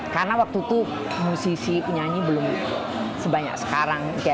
karena waktu itu musisi nyanyi belum sebanyak sekarang